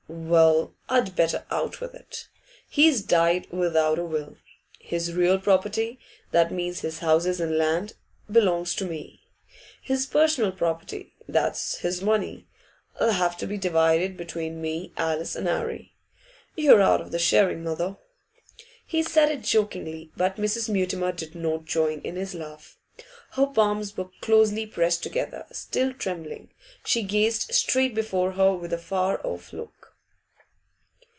'Well, I'd better out with it. He's died without a will. His real property that means his houses and land belongs to me; his personal property that's his money 'll have to be divided between me, and Alice, and 'Arry. You're out of the sharing, mother.' He said it jokingly, but Mrs. Mutimer did not join in his laugh. Her palms were closely pressed together; still trembling, she gazed straight before her, with a far off look.